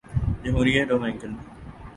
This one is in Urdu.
جمہوریہ ڈومینیکن